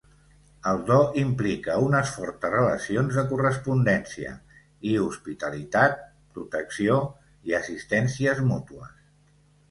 El do implica unes fortes relacions de correspondència i hospitalitat, protecció i assistències mútues.